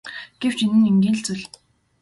Гэвч энэ нь энгийн л зүйл.